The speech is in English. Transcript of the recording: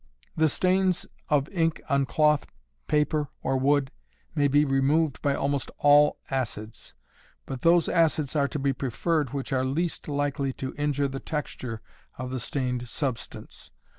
_ The stains of ink on cloth, paper, or wood may be removed by almost all acids: but those acids are to be preferred which are least likely to injure the texture of the stained substance.